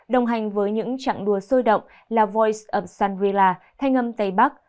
đồng hành với những trạng đua sôi động là voice of sandrila thanh âm tây bắc